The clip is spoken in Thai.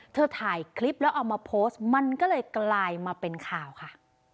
ถ่ายคลิปแล้วเอามาโพสต์มันก็เลยกลายมาเป็นข่าวค่ะ